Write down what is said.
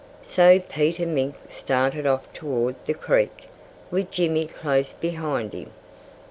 So Peter Mink started off toward the creek, with Jimmy close behind him.